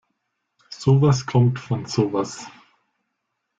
Sowas kommt von sowas.